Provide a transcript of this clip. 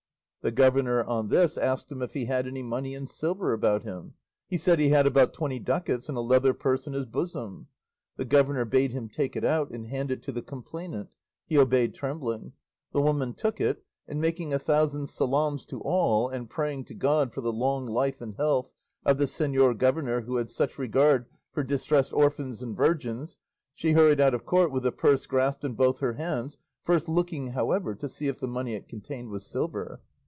The governor on this asked him if he had any money in silver about him; he said he had about twenty ducats in a leather purse in his bosom. The governor bade him take it out and hand it to the complainant; he obeyed trembling; the woman took it, and making a thousand salaams to all and praying to God for the long life and health of the señor governor who had such regard for distressed orphans and virgins, she hurried out of court with the purse grasped in both her hands, first looking, however, to see if the money it contained was silver.